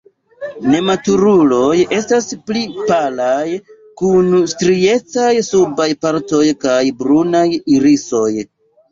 Nematuruloj estas pli palaj, kun striecaj subaj partoj kaj brunaj irisoj.